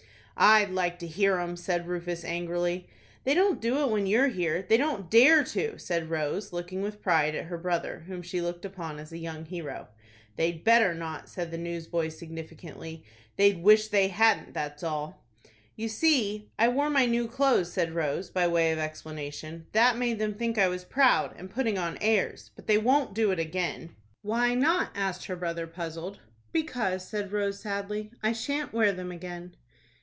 "I'd like to hear 'em!" said Rufus, angrily. "They don't do it when you are here. They don't dare to," said Rose, looking with pride at her brother, whom she looked upon as a young hero. "They'd better not," said the newsboy, significantly. "They'd wish they hadn't, that's all." "You see I wore my new clothes," said Rose, by way of explanation. "That made them think I was proud, and putting on airs. But they won't do it again." "Why not?" asked her brother, puzzled. "Because," said Rose, sadly, "I shan't wear them again."